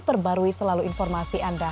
perbarui selalu informasi anda